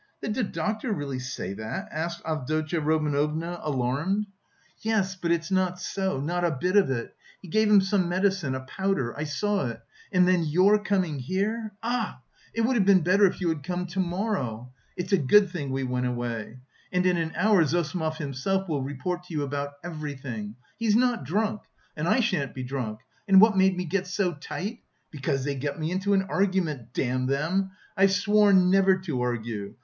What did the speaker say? "Did the doctor really say that?" asked Avdotya Romanovna, alarmed. "Yes, but it's not so, not a bit of it. He gave him some medicine, a powder, I saw it, and then your coming here.... Ah! It would have been better if you had come to morrow. It's a good thing we went away. And in an hour Zossimov himself will report to you about everything. He is not drunk! And I shan't be drunk.... And what made me get so tight? Because they got me into an argument, damn them! I've sworn never to argue!